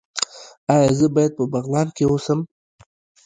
ایا زه باید په بغلان کې اوسم؟